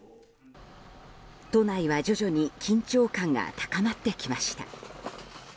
都内は徐々に緊張感が高まってきました。